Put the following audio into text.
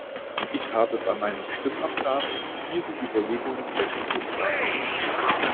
Ich habe bei meiner Stimmabgabe diesen Überlegungen Rechnung getragen.